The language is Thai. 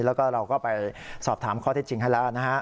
แล้วก็เราก็ไปสอบถามข้อที่จริงให้แล้วนะฮะ